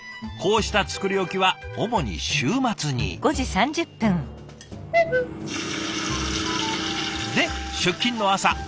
こうした作り置きは主に週末に。で出勤の朝。